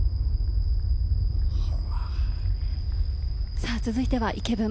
さあ、続いてはイケブン。